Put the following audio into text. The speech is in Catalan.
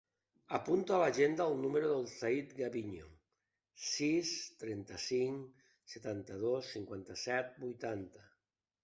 Apunta a l'agenda el número del Zaid Gaviño: sis, trenta-cinc, setanta-dos, cinquanta-set, vuitanta.